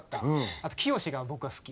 あとキヨシが僕は好き。